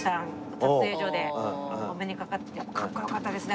撮影所でお目にかかってかっこよかったですね。